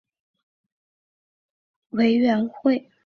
主要股东为烟台市人民政府国有资产监督管理委员会。